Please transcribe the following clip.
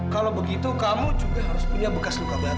kalau begitu kamu juga harus punya bekas luka berat